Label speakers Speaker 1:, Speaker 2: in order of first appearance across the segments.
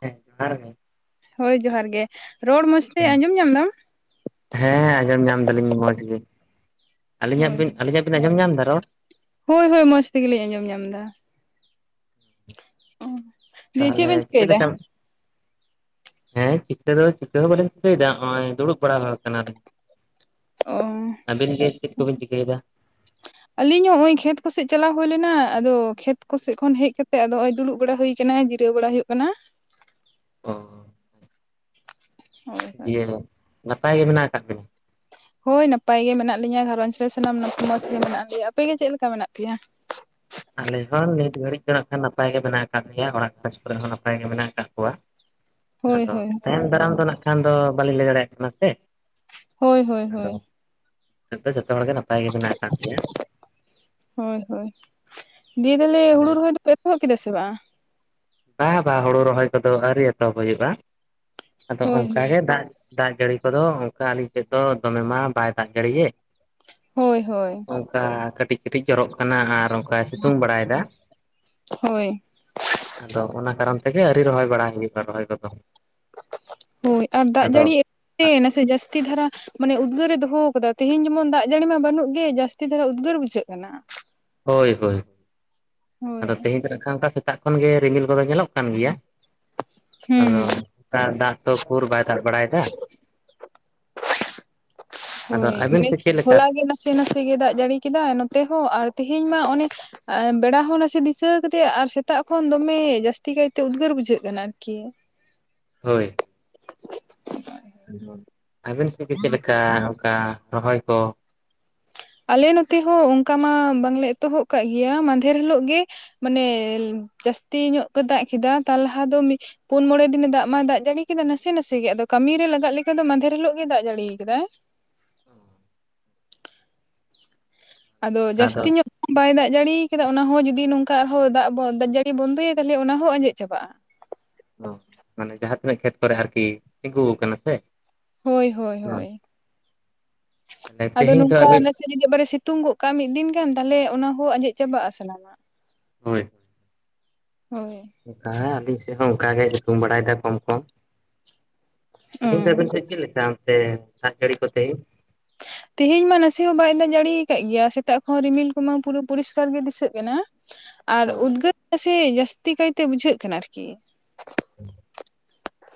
Speaker 1: ᱦᱮᱸ ᱡᱚᱸᱦᱟᱨ ᱜᱮ
Speaker 2: ᱦᱳᱭ ᱡᱚᱦᱟᱨ ᱜᱮ ᱨᱚᱲ ᱢᱚᱡᱽ ᱛᱮ ᱟᱸᱡᱚᱢ ᱧᱟᱢ ᱫᱟᱢ ᱾
Speaker 1: ᱦᱮᱸ ᱟᱸᱡᱚᱢ ᱧᱟᱢᱫᱟᱞᱤᱧ ᱢᱚᱡᱽ ᱜᱮ ᱟᱹᱞᱤᱧᱟᱜ
Speaker 2: ᱦᱳᱭ
Speaker 1: ᱵᱤᱱ ᱟᱹᱞᱤᱧᱟᱜ ᱵᱤᱱ ᱟᱸᱡᱚᱢ ᱧᱟᱢ ᱫᱟ ᱨᱚᱲ
Speaker 2: ᱦᱳᱭ ᱦᱳᱭ ᱢᱚᱡᱽ ᱛᱮᱜᱮᱞᱤᱧ ᱟᱸᱡᱚᱢ ᱧᱟᱢ ᱫᱟ ᱾ ᱚ ᱫᱤᱭᱮ ᱪᱮᱫ
Speaker 1: ᱛᱟᱦᱚᱞᱮ
Speaker 2: ᱵᱮᱱ ᱪᱤᱠᱟᱹᱭᱫᱟ?
Speaker 1: ᱞᱮᱠᱟ ᱦᱮᱸ ᱪᱤᱠᱟᱹ ᱫᱚ ᱪᱤᱠᱟᱹ ᱦᱚᱸ ᱵᱟᱹᱞᱤᱧ ᱪᱤᱠᱟᱹᱭᱮᱫᱟ ᱦᱚᱜ ᱚᱭ ᱫᱩᱲᱩᱵ ᱵᱟᱲᱟ ᱠᱟᱱᱟᱞᱤᱧ ᱾
Speaker 2: ᱚ
Speaker 1: ᱟᱵᱤᱱ ᱜᱮ ᱪᱮᱫ ᱠᱚᱵᱤᱱ ᱪᱤᱠᱟᱹᱭ ᱫᱟ?
Speaker 2: [unintelligible] ᱟᱞᱤᱧ ᱦᱚᱸ ᱱᱚᱜ ᱚᱭ ᱠᱷᱮᱛ ᱠᱚ ᱥᱮᱡ ᱪᱟᱞᱟᱣ ᱦᱩᱭ ᱞᱮᱱᱟ ᱟᱫᱚ ᱠᱷᱮᱛ ᱠᱚ ᱥᱮᱫ ᱠᱷᱚᱱ ᱦᱮᱡ ᱠᱟᱛᱮ ᱟᱫᱚ ᱦᱚᱸᱜᱼᱚᱭ ᱫᱩᱲᱩᱵ ᱵᱟᱲᱟ ᱦᱩᱭ ᱠᱟᱱᱟ ᱡᱤᱨᱟᱹᱣ ᱵᱟᱲᱟ ᱦᱩᱭᱩᱜ ᱠᱟᱱᱟ ᱾
Speaker 1: ᱚ
Speaker 2: ᱦᱳᱭ ᱦᱳᱭ
Speaker 1: ᱫᱤᱭᱮ ᱱᱟᱯᱟᱭ ᱜᱮ ᱢᱮᱱᱟᱜ ᱟᱠᱟᱫ ᱵᱤᱱᱟ?
Speaker 2: ᱦᱳᱭ ᱱᱟᱯᱟᱭ ᱜᱮ ᱢᱮᱱᱟᱜ ᱞᱤᱧᱟᱹ ᱜᱷᱟᱨᱚᱸᱧᱡᱽ ᱨᱮ ᱥᱟᱱᱟᱢ ᱢᱚᱸᱡᱽ ᱜᱮ ᱢᱮᱱᱟᱜ ᱞᱮᱭᱟ ᱟᱯᱮ ᱜᱮ ᱪᱮᱫ ᱞᱮᱠᱟ ᱢᱮᱱᱟᱜ ᱯᱮᱭᱟ?
Speaker 1: ᱟᱞᱮ ᱦᱚᱸ ᱱᱤᱛ ᱜᱷᱟᱹᱲᱤᱡ ᱫᱚ ᱱᱟᱸᱜ ᱠᱷᱟᱱ ᱱᱟᱯᱟᱭ ᱜᱮ ᱵᱮᱱᱟᱣ ᱟᱠᱟᱫ ᱞᱮᱭᱟ ᱚᱲᱟᱜ ᱠᱚᱨᱮ ᱦᱚ ᱱᱟᱯᱟᱭ ᱜᱮ ᱢᱮᱱᱟᱜ ᱟᱠᱟᱫ ᱠᱚᱣᱟ
Speaker 2: ᱦᱳᱭ
Speaker 1: ᱟᱫᱚ
Speaker 2: ᱦᱳᱭ
Speaker 1: ᱛᱟᱭᱚᱢᱱ ᱫᱟᱨᱟᱢ ᱫᱚ ᱱᱟᱸᱜ ᱠᱷᱟᱱ ᱫᱚ ᱵᱟᱹᱞᱤᱧ ᱞᱟᱹᱭ ᱫᱟᱲᱮᱭᱟᱜ ᱠᱟᱱᱟ ᱥᱮ
Speaker 2: ᱦᱳᱭ ᱦᱳᱭ
Speaker 1: ᱟᱫᱚ
Speaker 2: ᱦᱳᱭ
Speaker 1: ᱱᱤᱛᱳᱜ ᱫᱚ ᱡᱚᱛᱚ ᱦᱚᱲ ᱜᱮ ᱱᱟ ᱱᱟᱯᱟᱭ ᱜᱮ ᱢᱮᱱᱟᱜ ᱟᱠᱟᱫ ᱞᱮᱭᱟ
Speaker 2: ᱦᱳᱭ ᱦᱳᱭ ᱫᱤᱭᱮ ᱛᱟᱦᱞᱮ ᱦᱩᱲᱩ ᱨᱚᱦᱚᱭ ᱫᱚ ᱯᱮ ᱮᱛᱚᱦᱚᱵ ᱠᱮᱫᱟ ᱥᱮ ᱵᱟᱝ
Speaker 1: ᱵᱟ ᱵᱟ ᱦᱳᱲᱳ ᱨᱚᱦᱚᱭ ᱠᱚᱫᱚ ᱟᱹᱣᱨᱤ ᱮᱛᱚᱦᱚᱵ ᱦᱩᱭᱩᱜᱼᱟ ᱟᱫᱚ
Speaker 2: ᱦᱳᱭ
Speaker 1: ᱚᱱᱠᱟ
Speaker 2: ᱦᱳᱭ
Speaker 1: ᱜᱮ ᱫᱟᱜ ᱫᱟᱜ ᱡᱟᱹᱲᱤ ᱠᱚᱫᱚ ᱚᱱᱠᱟ ᱟᱹᱞᱤᱧ ᱥᱮᱫ ᱫᱚ ᱫᱚᱢᱮ ᱢᱟ ᱵᱟᱭ ᱫᱟᱜ ᱡᱟᱹᱲᱤ ᱭᱮᱫ
Speaker 2: ᱦᱳᱭ ᱦᱳᱭ
Speaker 1: ᱚᱱᱠᱟ ᱠᱟᱹᱴᱤᱡ ᱠᱟᱹᱴᱤᱡ ᱡᱚᱨᱚᱜ ᱠᱟᱱᱟ ᱟᱨ ᱚᱱᱠᱟᱭ ᱥᱤᱛᱩᱝ ᱵᱟᱲᱟᱭ‌ ᱫᱟ
Speaker 2: ᱦᱳᱭ
Speaker 1: ᱟᱫᱚ ᱚᱱᱟ ᱠᱟᱨᱚᱱ ᱛᱮᱜᱮ ᱟᱹᱣᱨᱤ ᱨᱚᱦᱚᱭ ᱵᱟᱲ ᱦᱩᱭᱩᱜᱼᱟ ᱨᱚᱦᱚᱭ ᱠᱚᱫᱚ
Speaker 2: ᱦᱳᱭ ᱟᱨ ᱫᱟᱜ
Speaker 1: ᱟᱫᱚ
Speaker 2: ᱡᱟᱹᱲᱤ ᱱᱟᱥᱮ ᱡᱟᱹᱥᱛᱤ ᱫᱷᱟᱨᱟ ᱢᱟᱱᱮ ᱩᱫᱽᱜᱟᱹᱨ ᱮ ᱫᱚᱦᱚ ᱠᱟᱫᱟ ᱛᱤᱦᱤᱧ ᱡᱮ ᱢᱚᱱ ᱫᱟᱜ ᱡᱟᱹᱲᱤ ᱢᱟ ᱵᱟᱹᱱᱩᱜ ᱜᱮ ᱡᱟᱹᱥᱛᱤ ᱫᱷᱟᱨᱟ ᱩᱫᱽᱜᱟᱹᱨ ᱵᱩᱡᱷᱟᱹᱜ ᱠᱟᱱᱟ
Speaker 1: ᱦᱳᱭ ᱦᱳᱭ
Speaker 2: ᱦᱳᱭ
Speaker 1: ᱟᱫᱚ ᱛᱤᱦᱤᱧ ᱫᱚ ᱦᱟᱸᱜ ᱠᱷᱟᱱ ᱚᱱᱠᱟ ᱥᱮᱛᱟᱜ ᱠᱷᱚᱱ ᱜᱮ ᱨᱤᱢᱤᱞ ᱠᱚᱫᱚ ᱧᱮᱞᱚᱜ ᱠᱟᱱ ᱜᱮᱭᱟ
Speaker 2: ᱦᱩᱸ
Speaker 1: ᱟᱫᱚ ᱱᱮᱛᱟᱨ ᱫᱟᱜ ᱛᱚ ᱩᱠᱩᱨ ᱵᱟᱭ ᱫᱟᱜ ᱵᱟᱲᱟᱭ ᱫᱟ ᱟᱫᱚ
Speaker 2: ᱦᱳᱭ
Speaker 1: ᱟᱹᱵᱤᱱ
Speaker 2: ᱢᱟᱱᱮ
Speaker 1: ᱥᱮᱫ ᱪᱮᱫ ᱞᱮᱠᱟ
Speaker 2: ᱦᱚᱞ ᱜᱮ ᱱᱟᱥᱮ ᱱᱟᱥᱮ ᱜᱮ ᱫᱟᱜ ᱡᱟᱹᱲᱤ ᱠᱮᱫᱟᱭ ᱱᱚᱛᱮ ᱦᱚᱸ ᱟᱨ ᱛᱮᱦᱮᱧ ᱢᱟ ᱚᱱᱮ ᱟᱨ ᱵᱮᱲᱟ ᱦᱚᱸ ᱱᱟᱥᱮ ᱫᱤᱥᱟᱹ ᱠᱟ ᱫᱮᱭᱟ ᱟᱨ ᱥᱮᱛᱟᱜ ᱠᱷᱚᱱ ᱫᱚᱢᱮ ᱡᱟᱹᱥᱛᱤ ᱠᱟᱭ ᱛᱮ ᱩᱫᱽᱜᱟᱹᱨ ᱵᱩᱡᱷᱟᱹᱜ ᱠᱟᱱᱟ ᱟᱨᱠᱤ [inaudible]
Speaker 1: ᱦᱳᱭ
Speaker 2: [inaudible]
Speaker 1: ᱟᱹᱵᱤᱱ ᱥᱮᱫ ᱜᱮ ᱪᱮᱫ ᱞᱮᱠᱟ ᱚᱱᱠᱟ ᱨᱚᱦᱚᱭ ᱠᱚ
Speaker 2: ᱟᱞᱮ ᱱᱚᱛᱮ ᱦᱚᱸ ᱚᱱᱠᱟ ᱢᱟ ᱵᱟᱝ ᱞᱮ ᱮᱛᱚᱦᱚᱵ ᱠᱟᱜ ᱜᱮᱭᱟ ᱢᱟᱫᱷᱮᱨ ᱦᱤᱞᱳᱜ ᱜᱮ ᱢᱟᱱᱮ ᱡᱟᱹᱥᱛᱤ ᱧᱚᱜ ᱜᱮ ᱫᱟᱜ ᱠᱮᱫᱟ ᱛᱟᱨ ᱞᱟᱦᱟ ᱫᱚ ᱯᱩᱱ ᱢᱚᱸᱬᱮ ᱫᱤᱱ ᱮ ᱫᱟᱜ ᱢᱟ ᱫᱟᱜ ᱡᱟᱹᱲᱤ ᱠᱮᱫᱟ ᱱᱟᱥᱮ ᱱᱟᱥᱮ ᱜᱮ ᱟᱫᱚ ᱠᱟᱹᱢᱤᱨ ᱨᱮ ᱞᱟᱜᱟᱜ ᱞᱮᱠᱟ ᱫᱚ ᱢᱟᱫᱷᱮᱨ ᱦᱤᱞᱳᱜ ᱜᱮ ᱫᱟᱜ ᱡᱟᱹᱲᱤ ᱠᱟᱫᱟᱭ᱾
Speaker 1: ᱚ
Speaker 2: ᱟᱫᱚ ᱡᱟᱹᱥᱛᱤ ᱧᱚᱜᱼᱼ ᱵᱟᱭ ᱫᱟᱜ ᱡᱟᱹᱲᱤ ᱠᱟᱫᱟ ᱚᱱᱟ ᱦᱚᱸ ᱡᱩᱫᱤ ᱱᱚᱝᱠᱟ ᱫᱟᱜ ᱫᱟᱜ ᱡᱟᱹᱲᱤ ᱵᱚᱱᱫᱚᱭᱟ ᱛᱟᱦᱞᱮ ᱚᱱᱟ ᱦᱚᱸ ᱟᱸᱡᱮᱫ ᱪᱟᱵᱟᱜᱼᱟ ᱾
Speaker 1: ᱚ ᱢᱟᱱᱮ ᱡᱟᱦᱟᱸ ᱛᱤᱱᱟᱹᱜ ᱠᱷᱮᱛ ᱠᱚᱨᱮ ᱟᱨᱠᱤ ᱛᱤᱸᱜᱩ ᱟᱠᱟᱱᱟ ᱥᱮᱼᱼ
Speaker 2: ᱦᱚᱭ ᱦᱚᱭ ᱦᱚᱭ,
Speaker 1: ᱛᱟᱦᱚᱞᱮ
Speaker 2: ᱟᱫᱚ
Speaker 1: ᱛᱮᱦᱮᱧ ᱫᱚ
Speaker 2: ᱱᱚᱝᱠᱟ
Speaker 1: ᱟᱹᱵᱤᱱ
Speaker 2: ᱟᱞᱮ ᱥᱮᱼᱼ ᱡᱩᱫᱤ ᱵᱟᱨ ᱮ ᱥᱤᱛᱩᱝ ᱜᱚᱜ ᱠᱟᱜᱼᱟ ᱢᱤᱫ ᱫᱤᱱ ᱜᱟᱱ, ᱛᱟᱦᱞᱮ ᱚᱱᱟ ᱦᱚᱸ ᱟᱸᱡᱮᱫ ᱪᱟᱵᱟᱜᱼᱟ ᱥᱟᱱᱟᱢᱟᱜᱼᱟ ᱾
Speaker 1: ᱦᱳᱭ ᱾
Speaker 2: ᱦᱚᱭ ᱾
Speaker 1: ᱦᱮᱸ ᱟᱹᱞᱤᱧ ᱥᱮᱫ ᱦᱚᱸ ᱚᱱᱠᱟ ᱜᱮ ᱥᱤᱛᱩᱝ ᱵᱟᱲᱟᱭ ᱫᱟ ᱠᱚᱢ ᱠᱚᱢ ᱾ ᱱᱤᱛ ᱫᱚ
Speaker 2: ᱚ
Speaker 1: ᱟᱵᱤᱱ ᱥᱮᱫ ᱪᱮᱫ ᱞᱮᱠᱟ‌ ᱚᱱᱛᱮ ᱫᱟᱜ ᱡᱟᱹᱲᱤ ᱠᱚ ᱛᱮ‌?
Speaker 2: ᱛᱮᱦᱮᱧ ᱢᱟ ᱱᱟᱥᱮ ᱦᱚᱸ ᱵᱟᱭ ᱫᱟᱜ ᱡᱟᱹᱲᱤ ᱟᱠᱟᱫ ᱜᱮᱭᱟ ᱥᱮᱛᱟᱜ ᱠᱷᱚᱱ ᱨᱤᱢᱤᱞ ᱠᱚᱢᱟ ᱯᱩᱨᱟᱹ ᱯᱚᱨᱤᱥ ᱠᱟᱨ ᱜᱮ ᱫᱤᱥᱟᱹᱜ ᱠᱟᱱᱟ ᱾ ᱟᱨ ᱩᱫᱽᱜᱟᱹᱨ [unintelligible] ᱡᱟᱹᱥᱛᱤ ᱠᱟᱭ ᱛᱮ ᱵᱩᱡᱷᱟᱹᱜ ᱠᱟᱱᱟ ᱟᱨᱠᱤ ᱾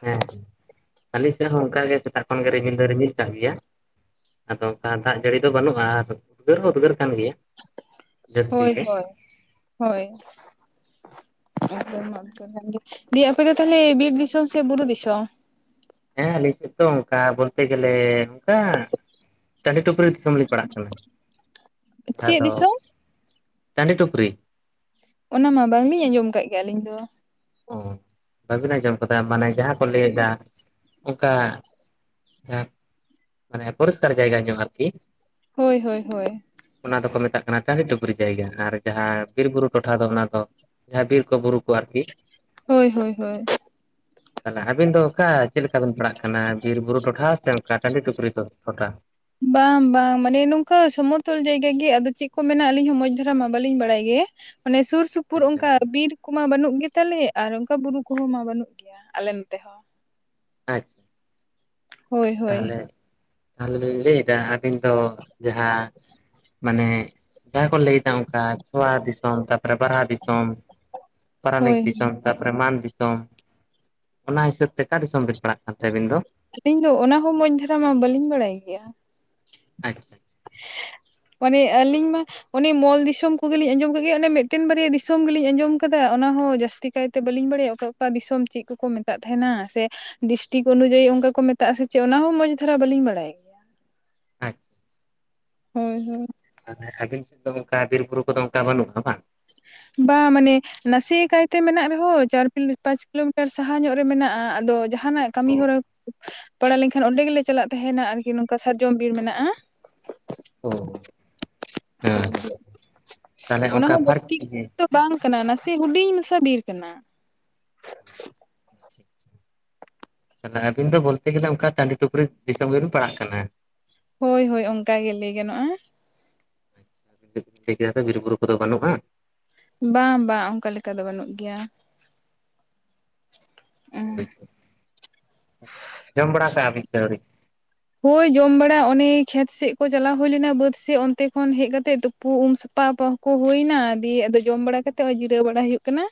Speaker 1: ᱦᱮᱸ ᱾ ᱟᱹᱞᱤ ᱥᱮᱫ ᱦᱚᱸ ᱚᱱᱠᱟ ᱜᱮ ᱥᱮᱛᱟᱜ ᱠᱷᱚᱱ ᱜᱮ ᱨᱤᱢᱤᱞ ᱫᱚᱭ ᱨᱤᱢᱤᱞ ᱠᱟᱜ ᱜᱮᱭᱟ ᱾ ᱟᱫᱚ ᱚᱱᱠᱟ ᱫᱟᱜ ᱡᱟᱹᱲᱤ ᱫᱚ ᱵᱟᱹᱱᱩᱜᱼᱟ, ᱟᱨ ᱩᱫᱽᱜᱟᱹᱨ ᱦᱚᱸ ᱩᱫᱽᱜᱟᱹᱨ ᱠᱟᱱ ᱜᱮᱭᱟ ᱾
Speaker 2: ᱦᱳᱭ ᱦᱳᱭ, ᱦᱚᱭ ᱾ [unintelligible] ᱫᱤᱭᱮ ᱟᱯᱮ ᱫᱚ ᱛᱟᱦᱞᱮ ᱵᱤᱨ ᱫᱤᱥᱚᱢ ᱥᱮ ᱵᱩᱨᱩ ᱫᱤᱥᱚᱢ?
Speaker 1: ᱦᱮᱸ ᱟᱹᱞᱤᱧ ᱥᱮᱫ ᱛᱚ ᱚᱱᱠᱟ ᱵᱚᱞ ᱛᱮ ᱜᱮᱞᱮ ᱱᱚᱝᱠᱟ ᱾ ᱴᱟᱸᱰᱤ ᱴᱩᱯᱨᱤ ᱫᱤᱥᱚᱢ ᱞᱤᱧ ᱯᱟᱲᱟᱜ ᱠᱟᱱᱟ,
Speaker 2: ᱪᱮᱫ
Speaker 1: ᱫᱚᱼᱼ
Speaker 2: ᱫᱤᱥᱚᱢ
Speaker 1: ᱴᱟᱸᱰᱤ ᱴᱩᱯᱨᱤ ᱾
Speaker 2: ᱚᱱᱟ ᱢᱟ ᱵᱟᱝ ᱞᱤᱧ ᱟᱸᱡᱚᱢ ᱟᱠᱟᱫ ᱜᱮ ᱟᱹᱞᱤᱧ ᱫᱚ ᱾
Speaker 1: ᱚ ᱟᱹᱵᱤᱱ ᱟᱸᱡᱚᱢ ᱠᱟᱛᱮᱜ ᱢᱟᱱᱮ ᱡᱟᱦᱟ ᱠᱚ ᱞᱟᱹᱭ ᱟᱠᱟᱫ ᱚᱱᱠᱟ ᱾ [unintelligible] ᱢᱟᱱᱮ ᱯᱚᱨᱤᱥ ᱠᱟᱨ ᱡᱟᱭᱜᱟ ᱧᱚᱜ ᱟᱨᱠᱤ ᱾
Speaker 2: ᱦᱳᱭ ᱦᱳᱭ ᱦᱳᱭ ᱾
Speaker 1: ᱚᱱᱟ ᱫᱚᱠᱚ ᱢᱮᱛᱟᱜ ᱠᱟᱱᱟ ᱴᱟᱸᱰᱤ ᱴᱩᱯᱨᱤ ᱡᱟᱭᱜᱟ, ᱟᱨ ᱡᱟᱦᱟ ᱵᱤᱨ ᱵᱩᱨᱩ ᱴᱚᱴᱷᱟ ᱫᱚ ᱚᱱᱟ ᱫᱚᱼᱼ ᱡᱟᱦᱟᱸ ᱵᱤᱨ ᱠᱚ ᱵᱩᱨᱩ ᱠᱚ ᱟᱨᱠᱤ ᱾
Speaker 2: ᱦᱳᱭ ᱦᱳᱭ ᱦᱳᱭ ᱾
Speaker 1: ᱛᱟᱦᱞᱮ ᱟᱵᱤᱱ ᱫᱚ ᱚᱠᱟ ᱪᱮᱫ ᱞᱮᱠᱟ ᱵᱤᱱ ᱯᱟᱲᱟᱜ ᱠᱟᱱᱟ ᱵᱤᱨ ᱵᱩᱨᱩ ᱴᱚᱴᱷᱟ ᱥᱮ ᱚᱱᱠᱟ? ᱴᱟᱸᱰᱤ ᱠᱩᱯᱨᱤ ᱠᱩ ᱴᱷᱳᱴᱟ ᱾
Speaker 2: ᱵᱟᱝ ᱵᱟᱝ ᱢᱟᱱᱮ ᱱᱚᱝᱠᱟ ᱥᱚᱢᱚᱛᱚᱞ ᱡᱟᱭᱜᱟ ᱜᱮ ᱟᱫᱚ ᱪᱮᱫ ᱠᱚ ᱢᱮᱱᱟᱜ ᱟᱹᱞᱤᱧ ᱦᱚᱸ ᱢᱚᱸᱡᱽ ᱫᱷᱟᱨᱟ ᱢᱟ ᱵᱟᱹᱞᱤᱧ ᱵᱟᱲᱟᱭ ᱜᱮ ᱾ ᱢᱟᱱᱮ ᱥᱩᱨ ᱥᱩᱯ ᱥᱩᱨ ᱥᱩᱯᱩᱨ
Speaker 1: ᱟᱪᱪᱷᱟ
Speaker 2: ᱚᱱᱠᱟ
Speaker 1: ᱟᱪᱪᱷᱟ
Speaker 2: ᱵᱤᱨ ᱠᱚᱢᱟ ᱵᱟᱹᱱᱩᱜ ᱜᱮ ᱛᱟᱞᱮ ᱟᱨ ᱚᱱᱠᱟ ᱵᱩᱨᱩ ᱠᱚᱦᱚᱸ ᱢᱟ ᱵᱟᱹᱱᱩᱜ ᱜᱮᱭᱟ ᱟᱞᱮ ᱱᱚᱛᱮ ᱾
Speaker 1: ᱟᱪᱪᱷᱼᱼ
Speaker 2: ᱦᱚᱭ ᱦᱚᱭ ᱾
Speaker 1: ᱛᱟᱦᱚᱞᱮ ᱞᱤᱧ ᱞᱟᱹᱭ ᱮᱫᱟ ᱟᱵᱤᱱ ᱫᱚ ᱡᱟᱦᱟᱸ ᱢᱟᱱᱮ ᱡᱟᱦᱟᱸ ᱠᱚ ᱞᱟᱹᱭ ᱮᱫᱼᱼ ᱚᱱᱠᱟ ᱪᱷᱳᱣᱟ ᱫᱤᱥᱚᱢ, ᱛᱟᱨᱯᱚᱨᱮ ᱵᱟᱨᱦᱟ ᱫᱤᱥᱚᱢ, ᱯᱟᱨᱟᱱᱤᱠ
Speaker 2: ᱦᱳᱭ
Speaker 1: ᱫᱤᱥᱚᱢᱼᱼ ᱛᱟᱨᱯᱚᱨᱮ ᱢᱟᱱ ᱫᱤᱥᱚᱢ, ᱚᱱᱟ ᱦᱤᱥᱟᱹᱵᱽ ᱛᱮ ᱚᱠᱟ ᱫᱤᱥᱚᱢ ᱵᱤᱱ ᱯᱟᱲᱟᱜ ᱠᱟᱱᱛᱮ ᱟᱹᱵᱤᱱ ᱫᱚ?
Speaker 2: ᱟᱹᱞᱤᱧ ᱫᱚ ᱚᱱᱟ ᱦᱚᱸ ᱢᱚᱡᱽ ᱫᱷᱟᱨᱟ ᱢᱟ ᱵᱟᱹᱞᱤᱧ ᱵᱟᱲᱟᱭ ᱜᱮᱭᱟ ᱾
Speaker 1: ᱟᱪᱪᱷᱟ ᱟᱪᱪᱷᱟ ᱾
Speaker 2: ᱯᱚᱨᱮ ᱟᱹᱞᱤᱧ ᱢᱟᱼᱼ ᱚᱱᱮ ᱢᱚᱞ ᱫᱤᱥᱚᱢ ᱠᱩᱜᱤᱞᱤᱧ ᱟᱸᱡᱚᱢ ᱟᱠᱟᱫᱜᱮᱭᱟ, ᱚᱱᱮ ᱢᱤᱫᱴᱮᱱ ᱵᱟᱨᱭᱟ ᱫᱤᱥᱚᱢ ᱜᱮᱞᱤᱧ ᱟᱸᱡᱚᱢ ᱟᱠᱟᱫᱟ ᱚᱱᱟ ᱦᱚᱸ ᱡᱟᱹᱥᱛᱤ ᱼᱼ ᱛᱮ ᱠᱟᱭᱛᱮ ᱵᱟᱹᱞᱤᱧ ᱵᱟᱲᱟᱭᱟ ᱚᱠᱟ, ᱚᱠᱟ ᱫᱤᱥᱚᱢ ᱪᱮᱫ ᱠᱚᱠᱚ ᱢᱮᱛᱟᱜ ᱛᱟᱦᱮᱱᱟ ᱥᱮ ᱰᱤᱥᱴᱤᱠ ᱚᱱᱩᱡᱟᱭᱤᱼᱼ ᱚᱠᱟ ᱠᱚ ᱢᱮᱛᱟᱜ ᱥᱮ ᱪᱮᱫ ᱚᱱᱟ ᱦᱚᱸ ᱢᱚᱡᱽ ᱫᱷᱟᱨᱟ ᱵᱟᱞᱤᱧ ᱵᱟᱲᱟᱭᱟ ᱾
Speaker 1: ᱟᱪᱪᱷᱼᱼ
Speaker 2: ᱦᱩᱸ ᱦᱩᱸ
Speaker 1: ᱛᱟᱦᱚᱞᱮ ᱟᱵᱤᱱ ᱥᱮᱫ ᱫᱚ ᱚᱱᱠᱟ ᱵᱤᱨ ᱵᱩᱨᱩ ᱠᱚᱫᱚ ᱚᱱᱠᱟ ᱵᱟᱹᱱᱩᱜᱼᱟ ᱵᱟᱝ᱾
Speaker 2: ᱵᱟ ᱢᱟᱱᱮ ᱱᱟᱥᱮ ᱠᱟᱭᱛᱮ ᱢᱮᱱᱟᱜ ᱨᱮᱦᱚᱸ ᱪᱟᱨ ᱯᱟᱸᱪ ᱠᱤᱞᱳᱢᱤᱴᱟᱨ ᱥᱟᱦᱟ ᱧᱚᱜ ᱨᱮ ᱢᱮᱱᱟᱜᱼᱟ, ᱟᱫᱚ ᱡᱟᱸᱦᱟ ᱦᱟᱱᱟᱜ ᱠᱟᱹᱢᱤ ᱦᱚᱨᱟ ᱯᱟᱲᱟ ᱞᱮᱱᱠᱷᱟᱱ ᱚᱸᱰᱮ ᱜᱮᱞᱮ ᱪᱟᱞᱟᱜ ᱛᱟᱦᱮᱱᱟ ᱟᱨᱠᱤ ᱱᱚᱝᱠᱟ ᱥᱟᱨᱡᱚᱢ ᱵᱤᱨ ᱢᱮᱱᱟᱜᱼᱟ᱾
Speaker 1: ᱚ, ᱦᱮᱸ
Speaker 2: ᱦᱳᱭ
Speaker 1: ᱛᱟᱦᱚᱞᱮ
Speaker 2: ᱚᱱᱟ
Speaker 1: ᱚᱱᱠᱟ
Speaker 2: ᱦᱚᱸ
Speaker 1: ᱯᱷᱟᱨᱠ [inaudible]
Speaker 2: ᱡᱟᱹᱥᱛᱤ ᱫᱚ ᱵᱟᱝ ᱠᱟᱱᱟ ᱱᱟᱥᱮ ᱦᱩᱰᱤᱧ ᱢᱮᱥᱟ ᱵᱤᱨ ᱠᱟᱱᱟ᱾
Speaker 1: [inaudible] ᱛᱟᱦᱞᱮ ᱟᱵᱤᱱ ᱫᱚ ᱵᱚᱞᱛᱮ ᱜᱮᱞᱮ ᱚᱱᱠᱟ ᱴᱟᱺᱰᱤ ᱴᱩᱠᱨᱤ ᱫᱤᱥᱚᱢ ᱜᱮᱵᱤᱱ ᱯᱟᱲᱟᱜ ᱠᱟᱱᱟ᱾
Speaker 2: ᱦᱳᱭ ᱦᱳᱭ ᱚᱱᱠᱟ ᱜᱮ ᱞᱟᱹᱭ ᱜᱟᱱᱚᱜᱼᱟ᱾
Speaker 1: [unintelligible] ᱵᱤᱨᱵᱩᱨᱩ ᱠᱚᱫᱚ ᱵᱟᱹᱱᱩᱜᱼᱟ
Speaker 2: ᱵᱟᱝ ᱵᱟᱝ ᱚᱱᱠᱟ ᱞᱮᱠᱟ ᱫᱚ ᱵᱟᱹᱱᱩᱜ ᱜᱮᱭᱟ᱾
Speaker 1: ᱡᱚᱢ ᱵᱟᱲᱟ ᱠᱟ ᱟᱵᱤᱱ ᱥᱮ ᱟᱣᱨᱤ
Speaker 2: ᱦᱳᱭ ᱡᱚᱢ ᱵᱟᱲᱟ ᱚᱱᱮ ᱠᱷᱮᱛ ᱥᱮᱫ ᱠᱚ ᱪᱟᱞᱟᱣ ᱦᱩᱭ ᱞᱮᱱᱟ ᱵᱟᱹᱫᱽ ᱥᱮᱫ ᱚᱱᱛᱮ ᱠᱷᱚᱱ ᱦᱮᱡ ᱠᱟᱛᱮᱜ ᱛᱳ ᱛᱩᱯᱩ ᱩᱢ ᱥᱟᱯᱟ ᱠᱚ ᱦᱩᱭᱮ ᱮᱱᱟ, ᱫᱤᱭᱮ ᱟᱫᱚ ᱡᱚᱢ ᱵᱟᱲᱟ ᱠᱟᱛᱮ ᱚᱭ ᱡᱤᱨᱟᱹ ᱵᱟᱲᱟ ᱦᱩᱭᱩᱜ ᱠᱟᱱᱟ᱾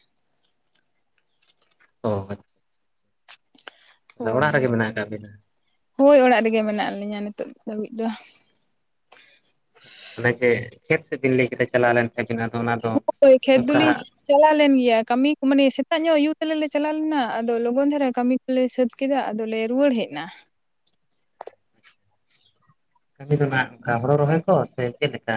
Speaker 1: ᱚ [inaudible]
Speaker 2: ᱦᱳᱭ
Speaker 1: ᱚᱲᱟᱜ ᱨᱮᱜᱮ
Speaker 2: ᱦᱳᱭ
Speaker 1: ᱢᱮᱱᱟᱜ ᱟᱠᱟᱫ ᱵᱤᱱᱟ?
Speaker 2: ᱦᱳᱭ ᱚᱲᱟᱜ ᱨᱮᱜᱮ ᱢᱮᱱᱟᱜ ᱞᱤᱧᱟᱹ ᱱᱤᱛᱚᱜ ᱫᱷᱟᱹᱵᱤᱡ ᱫᱚ᱾
Speaker 1: ᱚᱱᱮ ᱡᱮ ᱠᱷᱮᱛ ᱥᱮᱫ ᱵᱤᱱ ᱞᱟᱹᱭ ᱠᱟᱛᱮ ᱪᱟᱞᱟᱣ ᱞᱮᱱ ᱛᱟᱦᱮᱸᱱᱟ ᱟᱫᱚ ᱚᱱᱟ ᱫᱚ
Speaker 2: ᱦᱚᱭ ᱠᱷᱮᱛ ᱫᱚᱞᱤᱧ
Speaker 1: ᱚᱱᱠᱟ
Speaker 2: ᱪᱟᱞᱟᱣ ᱞᱮᱱ ᱜᱮᱭᱟ, ᱠᱟᱹᱢᱤ ᱠᱚ ᱢᱟᱱᱮ ᱥᱮᱛᱟᱜ ᱧᱚᱜ ᱟᱭᱩ ᱛᱟᱞᱮ ᱞᱮ ᱪᱟᱞᱟᱣ ᱞᱮᱱᱟ ᱟᱫᱚ ᱞᱚᱜᱚᱱ ᱫᱷᱟᱨᱟ ᱠᱟᱹᱢᱤ ᱞᱮ ᱥᱟᱹᱛ ᱠᱮᱫᱟ, ᱟᱫᱚᱞᱮ ᱨᱩᱭᱟᱹᱲ ᱦᱮᱡ ᱮᱱᱟ᱾
Speaker 1: ᱠᱟᱹᱢᱤ ᱫᱚ ᱟᱜ ᱚᱱᱠᱟ ᱦᱳᱲᱳ ᱨᱚᱦᱚᱭ ᱠᱚ ᱥᱮ ᱪᱮᱫᱮ ᱞᱮᱠᱟ?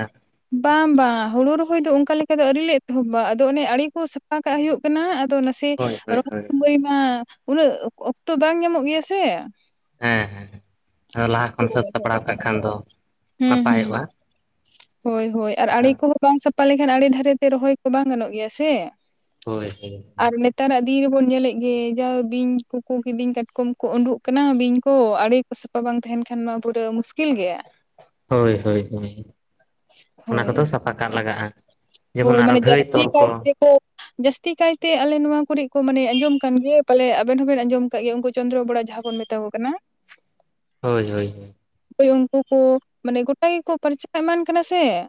Speaker 2: ᱵᱟᱝ ᱵᱟᱝ ᱦᱩᱲᱩ ᱨᱚᱦᱚᱭ ᱫᱚ ᱚᱱᱠᱟ ᱞᱮᱠᱟ ᱫᱚ ᱟᱣᱨᱤ ᱞᱮ ᱮᱛᱚᱦᱚᱵᱟ, ᱟᱫᱚ ᱚᱱᱮ ᱟᱲᱤ ᱠᱚ ᱥᱟᱯᱷᱟ ᱠᱟᱜ ᱦᱩᱭᱩᱜ ᱠᱟᱱᱟ ᱟᱫᱚ ᱱᱟᱥᱮ
Speaker 1: ᱦᱳᱭ
Speaker 2: ᱛᱮ
Speaker 1: ᱦᱳᱭ
Speaker 2: ᱨᱚᱦᱚᱭ
Speaker 1: ᱦᱳᱭ
Speaker 2: ᱥᱚᱢᱚᱭ ᱢᱟ ᱩᱱᱟᱹᱜ ᱚᱠᱛᱚ ᱵᱟᱝ ᱧᱟᱢᱚᱜ ᱜᱮᱭᱟ ᱥᱮ᱾
Speaker 1: ᱦᱮᱸ ᱦᱮᱸ ᱞᱟᱦᱟ ᱠᱷᱚᱱ
Speaker 2: ᱦᱳᱭ
Speaker 1: ᱥᱟᱹᱛ
Speaker 2: ᱦᱳᱭ
Speaker 1: ᱥᱟᱯᱲᱟᱣ ᱠᱟᱜ ᱠᱷᱟᱱ ᱫᱚ
Speaker 2: ᱦᱩᱸ ᱦᱩᱸ
Speaker 1: ᱱᱟᱯᱟᱭᱚᱜᱼᱟ᱾
Speaker 2: ᱦᱳᱭ ᱦᱳᱭ ᱟᱨ ᱟᱲᱮ
Speaker 1: ᱡᱟᱦᱟᱸ
Speaker 2: ᱠᱚᱦᱚᱸ ᱵᱟᱝ ᱥᱟᱯᱷᱟ ᱞᱮᱠᱷᱟᱱ ᱟᱲᱮ ᱫᱷᱟᱨᱮᱛᱮ ᱨᱚᱦᱚᱭ ᱠᱚ ᱵᱟᱝ ᱜᱟᱱᱚᱜ ᱜᱮᱭᱟ ᱥᱮ
Speaker 1: ᱦᱳᱭ ᱦᱳᱭ
Speaker 2: ᱟᱨ ᱱᱮᱛᱟᱨᱟᱜ ᱫᱤᱱ ᱨᱮᱵᱚᱱ ᱧᱮᱞᱮᱫ ᱜᱮ ᱡᱟ ᱵᱤᱧ ᱠᱚ ᱠᱚ ᱠᱤᱫᱤᱧ ᱠᱟᱴᱠᱚᱢ ᱠᱚ ᱩᱸᱰᱩᱜ ᱠᱟᱱᱟ ᱵᱤᱧ ᱠᱚ ᱟᱲᱮ ᱠᱚ ᱥᱟᱯᱷᱟ ᱵᱟᱝ ᱛᱟᱦᱮᱱ ᱠᱷᱟᱱ ᱢᱟ ᱯᱩᱨᱟᱹᱣ ᱢᱩᱥᱠᱤᱞ ᱜᱮᱭᱟ᱾
Speaker 1: ᱦᱚᱭ ᱦᱚᱭ ᱦᱚᱭ ᱾ ᱚᱱᱟ
Speaker 2: ᱦᱳᱭ
Speaker 1: ᱠᱚᱫᱚ ᱥᱟᱯᱷᱟ ᱠᱟᱜ ᱞᱟᱜᱟᱜᱼᱟ,
Speaker 2: ᱦᱳᱭ
Speaker 1: ᱡᱮᱢᱚᱱ ᱟᱨᱚ
Speaker 2: ᱢᱟᱱᱮ
Speaker 1: ᱦᱚᱸ ᱜᱷᱟᱹᱭ
Speaker 2: ᱡᱟᱹᱥᱛᱤ
Speaker 1: ᱛᱚᱞ
Speaker 2: ᱠᱟᱭ
Speaker 1: ᱠᱚ ᱾
Speaker 2: ᱛᱮᱠᱚ ᱡᱟᱹᱥᱛᱤ ᱠᱟᱭᱛᱮ ᱟᱞᱮ ᱱᱚᱣᱟ ᱠᱚᱨᱮ ᱠᱚ ᱢᱟᱱᱮ ᱟᱸᱡᱚᱢ ᱠᱟᱱ ᱜᱮᱭᱟ ᱯᱟᱞᱮ ᱟᱵᱮᱱ ᱦᱚᱸᱵᱮᱱ ᱟᱸᱡᱚᱢ ᱠᱟᱜ ᱜᱮᱭᱟ ᱩᱱᱠᱩ ᱪᱚᱱᱫᱨᱚ ᱵᱚᱰᱟ ᱡᱟᱦᱟᱸ ᱵᱚᱱ ᱢᱮᱛᱟ ᱠᱚ ᱠᱟᱱᱟ ᱾
Speaker 1: ᱦᱚᱭ ᱦᱚᱭ ᱦᱚᱭ ᱾
Speaker 2: ᱦᱳᱭ ᱩᱱᱠᱩ ᱠᱚ ᱢᱟᱱᱮ ᱜᱚᱴᱟ ᱜᱮᱠᱚ ᱯᱟᱨᱪᱟ ᱮᱢᱟᱱ ᱠᱟᱱᱟ ᱥᱮ ᱾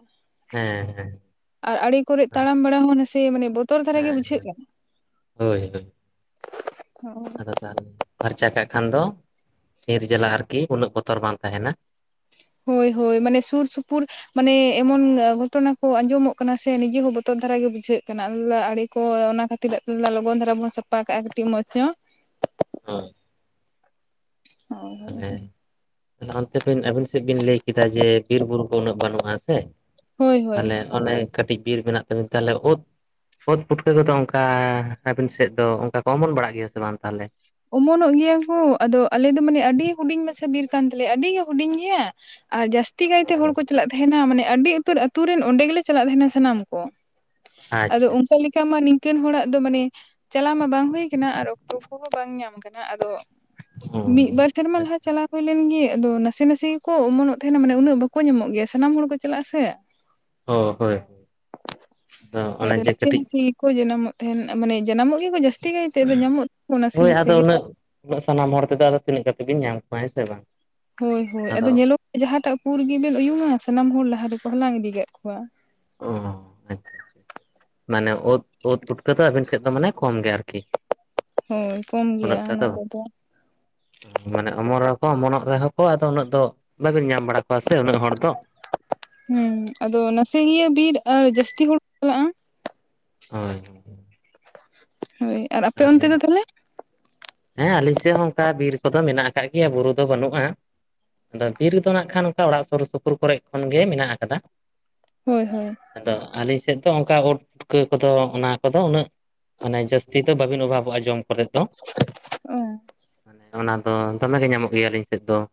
Speaker 1: ᱦᱮᱸ ᱦᱮᱸ ᱾
Speaker 2: ᱟᱨ ᱟᱲᱮ ᱠᱚᱨᱮ ᱛᱟᱲᱟᱢ ᱵᱟᱲᱟ ᱦᱚᱸ ᱱᱟᱥᱮ ᱢᱟᱱᱮ ᱵᱚᱛᱚᱨ ᱫᱷᱟᱨᱟ ᱜᱮ ᱵᱩᱡᱷᱟᱹᱜ
Speaker 1: ᱦᱮᱸ
Speaker 2: ᱠᱟᱱᱟ ᱾
Speaker 1: ᱦᱳᱭ ᱦᱳᱭ
Speaker 2: [inaudible]
Speaker 1: ᱟᱫᱚ ᱛᱟᱦᱚᱞᱮ ᱯᱷᱟᱨᱪᱟ ᱠᱟᱜ ᱠᱷᱟᱱ ᱫᱚ ᱱᱤᱨ ᱡᱟᱞᱟ ᱟᱨᱠᱤ ᱩᱱᱟᱹᱜ ᱵᱚᱛᱚᱨ ᱵᱟᱝ ᱛᱟᱦᱮᱸᱱᱟ ᱾
Speaker 2: ᱦᱚᱭ ᱦᱚᱭ ᱢᱟᱱᱮ ᱥᱩᱨ ᱥᱩᱯᱩᱨ ᱢᱟᱱᱮ ᱮᱢᱚᱱ ᱜᱷᱚᱴᱚᱱᱟ ᱠᱚ ᱟᱸᱡᱚᱢᱚᱜ ᱠᱟᱱᱟ ᱥᱮ ᱱᱤᱡᱮ ᱦᱚᱸ ᱵᱚᱛᱚᱨ ᱫᱷᱟᱨᱟ ᱜᱮ ᱵᱩᱡᱷᱟᱹᱜ ᱠᱟᱱᱟ ᱾ᱟᱫᱚ ᱞᱮ ᱟᱲᱮ ᱦᱚᱭ ᱚᱱᱟ ᱠᱷᱛᱤᱨᱟᱜ ᱛᱮ ᱞᱚᱜᱚᱱ ᱫᱷᱟᱨᱟ ᱵᱚᱱ ᱥᱟᱯᱷᱟ ᱠᱟᱜᱼᱟ ᱠᱟᱹᱴᱤᱡ ᱢᱚᱡᱽ ᱧᱚᱜ᱾
Speaker 1: ᱦᱚᱸ ᱛᱟᱦᱚᱞᱮ ᱚᱱᱛᱮ ᱟᱹᱵᱤᱱ ᱥᱮᱫ ᱵᱤᱱ ᱞᱟᱹᱭ ᱠᱮᱫᱟ ᱡᱮ ᱵᱤᱨ ᱵᱩᱨᱩ ᱠᱚ ᱩᱱᱟᱹᱜ ᱵᱟᱹᱱᱩᱜᱼᱟ ᱥᱮ
Speaker 2: ᱦᱳᱭ
Speaker 1: ᱾
Speaker 2: ᱦᱳᱭ
Speaker 1: ᱟᱞᱮ ᱚᱱᱮ ᱠᱟᱹᱴᱤᱡ ᱵᱤᱨ ᱢᱮᱱᱟᱜ ᱛᱟᱞᱮ ᱛᱮ ᱩᱫ ᱚᱛ ᱯᱩᱴᱠᱟᱹ ᱠᱚᱫᱚ ᱚᱱᱠᱟ ᱟᱹᱵᱤᱱ ᱥᱮᱫ ᱫᱚ ᱚᱱᱠᱟ ᱠᱚ ᱚᱢᱚᱱ ᱵᱟᱲᱟᱜ ᱜᱮᱭᱟ ᱥᱮ ᱵᱟᱝ ᱛᱟᱦᱚᱞᱮ?
Speaker 2: ᱚᱢᱚᱱᱚᱜ ᱜᱮᱭᱟ ᱠᱚ ᱟᱫᱚ ᱟᱞᱮ ᱫᱚ ᱢᱟᱱᱮ ᱟᱹᱰᱤ ᱦᱩᱰᱤᱧ ᱢᱟᱪᱷᱟ ᱵᱤᱨ ᱠᱟᱱ ᱛᱟᱞᱮᱭᱟ ᱟᱹᱰᱤ ᱜᱮ ᱦᱩᱰᱤᱧ ᱜᱮᱭᱟ ᱾ ᱟᱨ ᱡᱟᱹᱥᱛᱤ ᱠᱟᱭᱛᱮ ᱦᱚᱲ ᱠᱚ ᱪᱟᱞᱟᱜ ᱛᱟᱦᱮᱸᱱᱟ ᱢᱟᱱᱮ ᱟᱹᱰᱤ ᱩᱛᱟᱹᱨ ᱾ ᱟᱹᱛᱩ ᱨᱮᱱ ᱚᱸᱰᱮ ᱜᱮᱞᱮ ᱪᱟᱞᱟᱜ ᱛᱟᱦᱮᱸᱱᱟ ᱥᱟᱱᱟᱢ ᱠᱚ ᱟᱫᱚ
Speaker 1: ᱟᱪᱪᱷᱟ
Speaker 2: ᱚᱱᱠᱟ
Speaker 1: ᱟᱪᱪᱷᱟ
Speaker 2: ᱞᱮᱠᱟ ᱢᱟ ᱤᱱᱠᱟᱹᱱ ᱦᱚᱲᱟᱜ ᱫᱚ ᱢᱟᱱᱮ ᱪᱟᱞᱟᱣ ᱢᱟ ᱵᱟᱝ ᱦᱩᱭ ᱠᱟᱱᱟ ᱟᱨ ᱚᱠᱛᱚ ᱠᱚ ᱦᱚᱸ ᱵᱟᱝ ᱧᱟᱢ ᱟᱠᱟᱱᱟ ᱟᱫᱚ,
Speaker 1: ᱚ
Speaker 2: ᱢᱤᱫ ᱵᱟᱨ ᱴᱮᱨᱢᱟ ᱞᱟᱦᱟ
Speaker 1: ᱟᱪᱪᱷᱟ
Speaker 2: ᱪᱟᱞᱟᱣ ᱾ ᱦᱩᱭ ᱞᱮᱱ ᱜᱮ ᱟᱫᱚ ᱱᱟᱥᱮ ᱱᱟᱥᱮ ᱠᱚ ᱚᱢᱚᱱᱚᱜ ᱛᱟᱦᱮᱸᱱᱟ ᱢᱟᱱᱮ ᱩᱱᱟᱹᱜ ᱵᱟᱠᱚ ᱧᱟᱢᱚᱜ ᱜᱮᱭᱟ ᱥᱟᱱᱟᱢ ᱦᱚᱲ ᱠᱚ ᱪᱟᱞᱟᱜᱼᱟ ᱥᱮ ᱾
Speaker 1: ᱚ ᱦᱳᱭ ᱟᱫᱚ
Speaker 2: ᱦᱟᱭ
Speaker 1: ᱚᱱᱮ
Speaker 2: ᱫᱚ
Speaker 1: ᱡᱮ
Speaker 2: ᱱᱟᱥᱮ
Speaker 1: ᱠᱟᱹᱴᱤᱡ
Speaker 2: ᱱᱟᱥᱮ ᱾ ᱠᱚ ᱡᱟᱱᱟᱢᱚᱜ ᱛᱟᱦᱮᱸᱱ ᱢᱟᱱᱮ ᱡᱟᱱᱟᱢᱚᱜ ᱜᱮᱠᱚ ᱡᱟᱹᱥᱛᱤ ᱠᱟᱭᱛᱮ ᱧᱟᱢᱚᱜ ᱱᱟᱥᱮ
Speaker 1: ᱦᱚᱭ
Speaker 2: ᱱᱟᱥᱮ
Speaker 1: ᱟᱫᱚ
Speaker 2: ᱜᱮ
Speaker 1: ᱩᱱᱟᱹᱜ ᱥᱟᱱᱟᱢ ᱦᱚᱲ ᱛᱮᱫᱚ ᱟᱫᱚ ᱛᱤᱱᱟᱹᱜ ᱠᱟᱛᱮ ᱵᱤᱱ ᱧᱟᱢ ᱠᱚᱣᱟ ᱦᱮᱸ ᱥᱮ ᱵᱟᱝ?
Speaker 2: ᱦᱚᱭ ᱦᱚᱭ ᱟᱫᱚ ᱧᱮᱞᱚᱜ ᱡᱟᱦᱟᱸᱴᱟᱜ ᱯᱩᱨ ᱜᱤᱵᱤᱱ ᱩᱭᱩᱝᱼᱟ ᱥᱟᱱᱟᱢ ᱦᱚᱲ ᱞᱟᱦᱟ ᱨᱮ ᱠᱚ ᱦᱟᱞᱟᱝ ᱤᱫᱤ ᱠᱟᱜ ᱠᱚᱣᱟ ᱾
Speaker 1: ᱚᱸ ᱾ ᱢᱟᱱᱮ ᱚᱛ ᱚᱛ ᱯᱩᱴᱠᱟᱹ ᱫᱚ ᱟᱹᱵᱤᱱ ᱥᱮᱫ ᱫᱚ ᱢᱟᱱᱮ ᱠᱚᱢ ᱜᱮ ᱟᱨ ᱠᱤ?
Speaker 2: ᱦᱮᱸᱠᱚᱢ ᱜᱮᱭᱟ ᱱᱚᱛᱮ ᱫᱚ ᱾
Speaker 1: ᱢᱟᱱᱮ ᱚᱢᱚᱨ ᱨᱮᱦᱚᱸ ᱠᱚ ᱚᱢᱚᱱᱚᱜ ᱨᱮᱦᱚᱸ ᱠᱚ ᱟᱫᱚ ᱩᱱᱟᱹᱜ ᱫᱚ ᱵᱟᱹᱵᱤᱱ ᱧᱟᱢ ᱵᱟᱲᱟ ᱠᱚᱣᱟ ᱥᱮ ᱩᱱᱟᱹᱜ ᱦᱚᱲ ᱫᱚ?
Speaker 2: ᱦᱚᱸ ᱟᱫᱚ ᱱᱟᱥᱮᱤᱭᱟᱹ ᱵᱤᱨ ᱟᱨ ᱡᱟᱹᱥᱛᱤ ᱦᱚᱲ ᱠᱚ ᱪᱟᱞᱟᱜᱼᱟ ᱾
Speaker 1: ᱦᱚᱭ ᱾
Speaker 2: ᱦᱟᱭ ᱾
Speaker 1: ᱟᱞᱮ ᱦᱮᱸ ᱟᱞᱤᱧ ᱥᱮᱫ ᱦᱚᱸ ᱚᱱᱠᱟ ᱵᱤᱨ ᱠᱚᱫᱚ ᱢᱮᱱᱟᱜ ᱟᱠᱟᱫ ᱜᱮᱭᱟ ᱵᱩᱨᱩ ᱫᱚ ᱵᱟᱹᱱᱩᱜᱼᱟ ᱾ ᱟᱫᱚ ᱵᱤᱨ ᱨᱮᱫᱚ ᱱᱟᱜ ᱠᱷᱟᱱ ᱚᱱᱠᱟ ᱚᱲᱟᱜ ᱥᱩᱨ ᱥᱩᱯᱩᱨ ᱠᱚᱨᱮ ᱠᱷᱚᱱ ᱜᱮ ᱢᱮᱱᱟᱜ ᱟᱠᱟᱫᱟ ᱾
Speaker 2: ᱦᱟᱭ ᱦᱚᱭ ᱾
Speaker 1: ᱟᱫᱚ ᱟᱹᱞᱤᱧ ᱥᱮᱫ ᱫᱚ ᱚᱱᱠᱟ ᱩᱫ ᱯᱩᱴᱠᱟᱹ ᱠᱚᱫᱚ ᱚᱱᱟ ᱠᱚᱫᱚ ᱩᱱᱟᱹᱜ ᱢᱟᱱᱮ ᱾ ᱛᱤ ᱫᱚ ᱵᱟᱹᱵᱤᱱ ᱚᱵᱷᱟᱵᱚᱜᱼᱟ ᱡᱚᱢ ᱠᱚᱨᱮ ᱫᱚ?
Speaker 2: ᱚ
Speaker 1: ᱚᱱᱟ ᱫᱚ ᱫᱚᱢᱮ ᱜᱮ ᱧᱟᱢᱚᱜ ᱜᱮᱭᱟ ᱟᱹᱞᱤᱧ ᱥᱮᱫ ᱫᱚ ᱾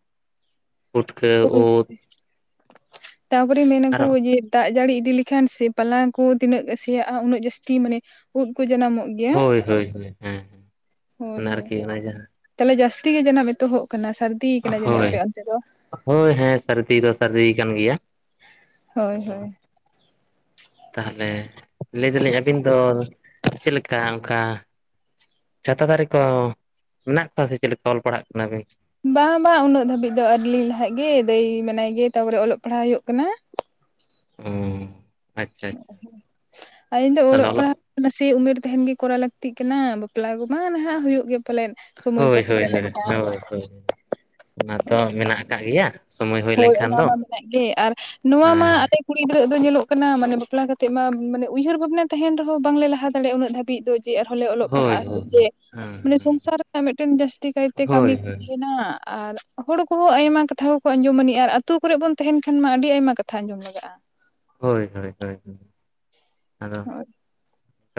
Speaker 2: ᱛᱟᱯᱚᱨᱮ ᱢᱮᱱᱟᱠᱚ
Speaker 1: ᱟᱨᱚ
Speaker 2: ᱡᱮ, ᱫᱟᱜ ᱡᱟᱹᱲᱤ ᱤᱫᱤ ᱞᱮᱠᱷᱟᱱ ᱥᱮ ᱯᱟᱞᱟ ᱠᱚ ᱛᱤᱱᱟᱹᱜ ᱥᱮᱭᱟᱜᱼᱟ ᱩᱱᱟᱹᱜ ᱡᱟᱹᱥᱛᱤ ᱢᱟᱱᱮ ᱩᱫ ᱠᱚ ᱡᱟᱱᱟᱢᱚᱜ ᱜᱮᱭᱟ ᱾
Speaker 1: ᱦᱚᱭ ᱦᱚᱭ ᱦᱚᱭ ᱦᱮᱸ ᱾
Speaker 2: ᱦᱚᱭ ᱦᱚᱭ ᱛᱟᱦᱚᱞᱮ ᱡᱟᱹᱥᱛᱤ ᱜᱮ ᱡᱟᱱᱟᱢ ᱮᱛᱚᱦᱚᱵ ᱠᱟᱱᱟ ᱥᱟᱹᱨᱫᱤ ᱠᱟᱱᱟ ᱡᱟᱹᱱᱤᱡ ᱟᱯᱮ ᱚᱱᱛᱮ ᱫᱚ?
Speaker 1: ᱦᱚᱭ ᱦᱮᱸ ᱥᱟᱹᱨᱫᱤ ᱫᱚ ᱥᱟᱹᱨᱫᱤ ᱠᱟᱱ ᱜᱮᱭᱟ ᱾
Speaker 2: ᱦᱚᱭ ᱦᱚᱭ ᱾
Speaker 1: ᱛᱟᱦᱚᱞᱮ ᱞᱟᱹᱭ ᱫᱟᱞᱤᱧ ᱟᱹᱵᱤᱱ ᱫᱚ ᱪᱮᱫ ᱞᱮᱠᱟ ᱚᱱᱠᱟ? ᱪᱷᱟᱛᱟ ᱫᱟᱨᱮ ᱠᱚ ᱢᱮᱱᱟᱜ ᱠᱚᱣᱟ ᱥᱮ ᱪᱮᱫ ᱞᱮᱠᱟ ᱚᱞ ᱯᱟᱲᱦᱟᱜ ᱠᱟᱱᱟ ᱵᱤᱱ?
Speaker 2: ᱵᱟᱝ ᱵᱟᱝ ᱩᱱᱟᱹᱜ ᱫᱷᱟᱹᱵᱤᱡ ᱫᱚ ᱟᱹᱣᱨᱤ ᱞᱤᱧ ᱞᱟᱦᱟᱜ ᱜᱮ ᱫᱟᱹᱭ ᱢᱮᱱᱟᱭ ᱜᱮ ᱛᱟᱯᱚᱨᱮ ᱚᱞᱚᱜ ᱯᱟᱲᱦᱟᱜ ᱦᱩᱭᱩᱜ ᱠᱟᱱᱟ ᱾
Speaker 1: ᱚᱸ
Speaker 2: ᱟᱞᱤᱧ ᱫᱚ ᱚᱞᱚᱜ ᱯᱟᱲᱦᱟᱵ, ᱱᱟᱥᱮ ᱩᱢᱮᱨ ᱛᱟᱸᱦᱮᱱ ᱜᱮ ᱠᱚᱨᱟᱣ ᱞᱟᱹᱠᱛᱤᱜ ᱠᱟᱱᱟ ᱵᱟᱯᱞᱟ ᱠᱚᱢᱟ ᱱᱟᱦᱟᱜ ᱦᱩᱭᱩᱜ ᱜᱮ ᱯᱟᱞᱮᱱ, ᱥᱚᱢᱚᱭ ᱠᱚ
Speaker 1: ᱦᱳᱭ ᱦᱳᱭ
Speaker 2: ᱥᱮᱴᱮᱨ ᱞᱮᱱᱠᱷᱟᱱ,
Speaker 1: ᱦᱳᱭ ᱦᱳᱭ ᱚᱱᱟ ᱛᱚ ᱢᱮᱱᱟᱜ ᱟᱠᱟᱫ ᱜᱮᱭᱟ ᱥᱚᱢᱚᱭ ᱦᱩᱭ
Speaker 2: ᱦᱳᱭ
Speaker 1: ᱞᱮᱱᱠᱷᱟᱱ
Speaker 2: ᱚᱱᱟ
Speaker 1: ᱫᱚ
Speaker 2: ᱢᱟ ᱢᱮᱱᱟᱜ ᱜᱮ ᱟᱨ ᱱᱚᱣᱟ ᱢᱟ
Speaker 1: ᱦᱮᱸ
Speaker 2: ᱟᱞᱮ ᱠᱩᱲᱤ ᱜᱤᱫᱽᱨᱟᱹ ᱫᱚ ᱧᱮᱞᱚᱜ ᱠᱟᱱᱟ ᱢᱟᱱᱮ ᱵᱟᱯᱞᱟ ᱠᱟᱛᱮᱫ ᱢᱟ ᱢᱟᱱᱮ ᱩᱭᱦᱟᱹᱨ ᱵᱷᱟᱵᱽᱱᱟ ᱛᱟᱸᱦᱮᱱ ᱨᱮᱦᱚᱸ ᱵᱟᱝᱞᱮ ᱞᱟᱦᱟ ᱫᱟᱲᱮᱭᱟᱜ-ᱟ, ᱩᱱᱟᱹᱜ ᱫᱷᱟᱹᱵᱤᱡ ᱫᱚ᱾ ᱪᱮᱫ ᱟᱨ ᱦᱚᱞᱮ ᱚᱞᱚᱜ
Speaker 1: ᱦᱳᱭ
Speaker 2: ᱯᱟᱲᱦᱟᱜ-ᱟ
Speaker 1: ᱦᱳᱭ
Speaker 2: ᱥᱮ ᱪᱮᱫ,
Speaker 1: ᱦᱮᱸ
Speaker 2: ᱢᱟᱱᱮ ᱥᱚᱝᱥᱟᱨ ᱨᱮᱱᱟᱜ ᱢᱤᱫᱴᱮᱱ ᱡᱟᱹᱥᱛᱤ ᱠᱟᱭᱛᱮ
Speaker 1: ᱦᱳᱭ
Speaker 2: ᱠᱟᱹᱢᱤ ᱠᱚ
Speaker 1: ᱦᱳᱭ
Speaker 2: ᱛᱟᱸᱦᱮᱱᱟ ᱾ ᱟᱨ ᱦᱚᱲ ᱠᱚᱦᱚᱸ ᱟᱭᱢᱟ ᱠᱟᱛᱷᱟ ᱠᱚᱠᱚ ᱟᱸᱡᱚᱢᱟᱹᱱᱤᱡ ᱟ ᱟᱨ ᱟᱛᱳ ᱠᱚᱨᱮ ᱵᱚᱱ ᱛᱟᱸᱦᱮᱱ ᱠᱷᱟᱱ ᱢᱟ ᱟᱹᱰᱤ ᱟᱭᱢᱟ ᱠᱟᱛᱷᱟ ᱟᱸᱡᱚᱢ ᱞᱟᱜᱟᱜ-ᱟ᱾
Speaker 1: ᱦᱳᱭ ᱦᱳᱭ ᱦᱳᱭ ᱟᱫᱚ,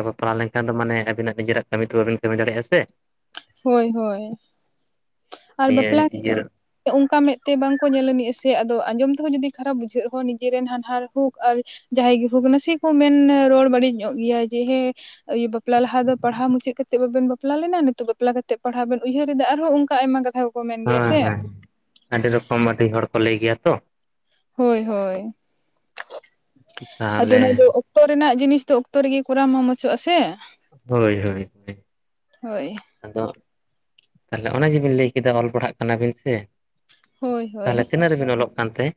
Speaker 1: ᱵᱟᱯᱞᱟ ᱞᱮᱱᱠᱷᱟᱱ ᱫᱚ ᱢᱟᱱᱮ ᱟᱵᱤᱱᱟᱜ ᱱᱤᱡᱮᱨᱟᱜ ᱠᱟᱹᱢᱤ ᱛᱚ ᱵᱟᱝᱵᱤᱱ ᱠᱟᱹᱢᱤ ᱫᱟᱲᱮᱭᱟᱜ-ᱟ ᱥᱮ,
Speaker 2: ᱦᱳᱭ ᱦᱳᱭ ᱟᱨ
Speaker 1: ᱱᱤᱭᱟᱹ
Speaker 2: ᱵᱟᱯᱞᱟ
Speaker 1: ᱤᱭᱟᱹ
Speaker 2: ᱚᱱᱠᱟ ᱢᱮᱫ ᱛᱮ ᱵᱟᱝ ᱠᱚ ᱧᱮᱞ ᱟᱹᱱᱤᱡ ᱟ ᱥᱮ ᱟᱫᱚ ᱟᱸᱡᱚᱢ ᱛᱮᱦᱚᱸ ᱡᱩᱫᱤ ᱠᱷᱟᱨᱟᱯ ᱵᱩᱡᱷᱟᱹᱜ ᱨᱮᱦᱚᱸ ᱱᱤᱡᱮᱨᱱ ᱦᱟᱱᱦᱟᱨ ᱦᱩᱠ ᱟᱨ, ᱡᱟᱦᱟᱸᱭ ᱜᱮ ᱱᱟᱥᱮᱠᱚ ᱢᱮᱱ ᱨᱚᱲ ᱵᱟᱹᱲᱤᱡ ᱧᱚᱜ ᱜᱮᱭᱟ ᱡᱮ ᱦᱮᱸ, ᱟᱭᱩ ᱵᱟᱯᱞᱟ ᱞᱟᱦᱟ ᱫᱚ ᱯᱟᱲᱦᱟᱣ ᱢᱩᱪᱟᱹᱫ ᱠᱟᱛᱮᱜ ᱵᱟᱵᱮᱱ ᱵᱟᱯᱞᱟ ᱞᱮᱱᱟ, ᱱᱤᱛᱚᱜ ᱵᱟ ᱵᱟᱯᱞᱟ ᱠᱟᱛᱮᱫ ᱯᱟᱲᱦᱟᱣ ᱵᱮᱱ ᱩᱭᱦᱟᱹᱨᱮᱫᱟ ᱟᱨᱦᱚᱸ ᱚᱱᱠᱟ ᱟᱭᱢᱟ ᱠᱟᱛᱷᱟ, ᱠᱚᱠᱚ ᱢᱮᱱ ᱜᱮᱭᱟ
Speaker 1: ᱦᱮᱸ
Speaker 2: ᱥᱮ
Speaker 1: ᱦᱮᱸ, ᱟᱹᱰᱤ ᱨᱚᱠᱚᱢ ᱟᱹᱰᱤ ᱦᱚᱲ ᱠᱚ ᱞᱟᱹᱭ ᱜᱮᱭᱟ ᱛᱚ,
Speaker 2: ᱦᱳᱭ ᱦᱳᱭ ᱟᱫᱚ
Speaker 1: ᱛᱟᱦᱚᱞᱮ
Speaker 2: ᱚᱱᱟ ᱫᱚ, ᱚᱠᱛᱚ ᱨᱮᱱᱟᱜ ᱡᱤᱱᱤᱥ ᱫᱚ ᱚᱠᱛᱚ ᱨᱮᱜᱮ ᱠᱚᱨᱟᱣ ᱢᱟ ᱢᱚᱸᱡᱚᱜ ᱟᱥᱮ,
Speaker 1: ᱦᱳᱭ ᱦᱳᱭ, ᱟᱫᱚ ᱛᱟᱸᱦᱚᱞᱮ ᱚᱱᱟ ᱡᱮᱵᱤᱱ ᱞᱟᱹᱭ ᱠᱮᱫᱟ ᱚᱞ ᱯᱟᱲᱦᱟᱜ ᱠᱟᱱᱟᱵᱤᱱ ᱥᱮ,
Speaker 2: ᱦᱳᱭ ᱦᱳᱭ
Speaker 1: ᱛᱟᱦᱞᱮ ᱛᱤᱱᱟᱹᱜ ᱨᱮᱵᱤᱱ ᱚᱞᱚᱜ ᱠᱟᱱᱛᱮ?